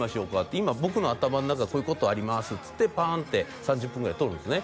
今僕の頭の中こういうことありますっつってパーンって３０分ぐらいとるんですね